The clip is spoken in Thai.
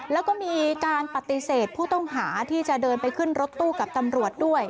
แล้วก็มีการปฏิเสธผู้ต้องหาที่จะเดินไปขึ้นรถตู้กับตำรวจด้วย